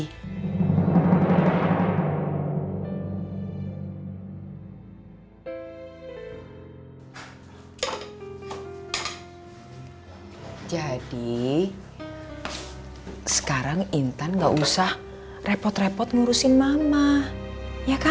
hai jadi sekarang intan enggak usah repot repot ngurusin mama ya kan